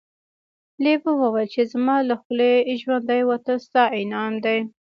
لیوه وویل چې زما له خولې ژوندی وتل ستا انعام دی.